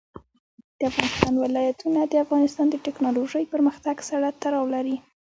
د افغانستان ولايتونه د افغانستان د تکنالوژۍ پرمختګ سره تړاو لري.